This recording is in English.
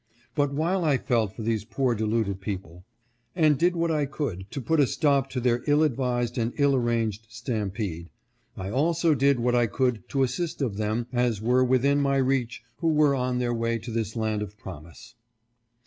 But while I felt for these poor deluded people, and did what I could to put a stop to their ill advised and ill arranged stampede, I also did what I could to assist such of them as were within my reach, who were on their way to this land of promise.